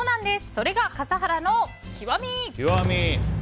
それが笠原の極み！